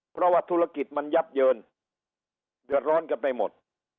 เพราะว่าธุรกิจมันยับเยินเดือดร้อนกันไปหมด